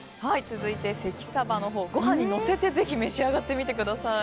続いて、関さばのほうご飯にのせて召し上がってください。